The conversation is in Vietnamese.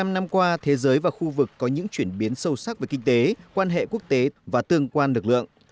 bảy mươi năm năm qua thế giới và khu vực có những chuyển biến sâu sắc về kinh tế quan hệ quốc tế và tương quan lực lượng